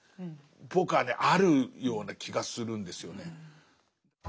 僕はねあるような気がするんですよね。